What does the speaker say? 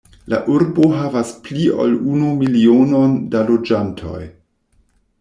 La urbo havas pli ol unu milionon da loĝantoj.